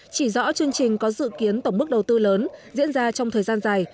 chỉ rõ chương trình có dự kiến tổng mức đầu tư lớn diễn ra trong thời gian dài